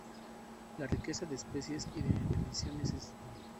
La riqueza de especies y de endemismos es baja.